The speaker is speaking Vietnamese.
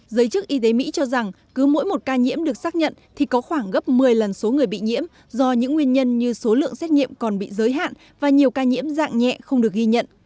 giới chức y tế mỹ cho rằng cứ mỗi một ca nhiễm được xác nhận thì có khoảng gấp một mươi lần số người bị nhiễm do những nguyên nhân như số lượng xét nghiệm còn bị giới hạn và nhiều ca nhiễm dạng nhẹ không được ghi nhận